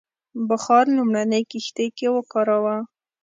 بخار لومړنۍ کښتۍ کې وکاراوه.